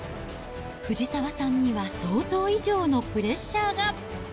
藤澤さんには想像以上のプレッシャーが。